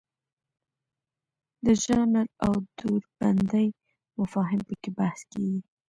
د ژانر او دوربندۍ مفاهیم پکې بحث کیږي.